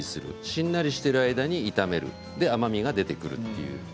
しんなりしている間に炒める甘みが出てくるという。